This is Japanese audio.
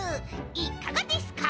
いかがですか？